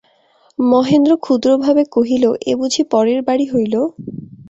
মহেন্দ্র ক্ষুদ্ধভাবে কহিল, এ বুঝি পরের বাড়ি হইল?